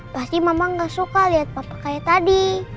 pasti mama gak suka lihat papa kayak tadi